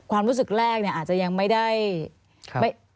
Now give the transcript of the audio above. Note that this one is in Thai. ความรู้สึกแรกเนี่ยอาจจะยังไม่ได้